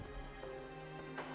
ini berarti kita lanjut ke jalur ini